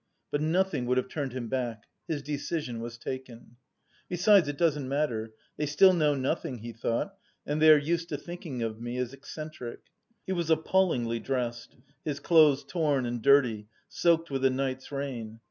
But nothing would have turned him back: his decision was taken. "Besides, it doesn't matter, they still know nothing," he thought, "and they are used to thinking of me as eccentric." He was appallingly dressed: his clothes torn and dirty, soaked with a night's rain.